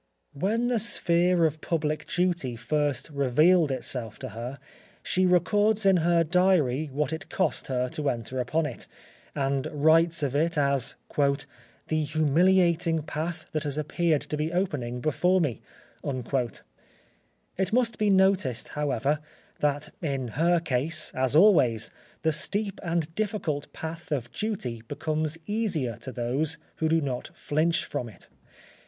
When the sphere of public duty first revealed itself to her, she records in her diary what it cost her to enter upon it, and writes of it as "the humiliating path that has appeared to be opening before me." It must be noticed, however, that in her case, as always, the steep and difficult path of duty becomes easier to those who do not flinch from it.